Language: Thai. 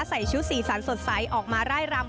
ใส่ชุดสีสันสดใสออกมาร่ายรำ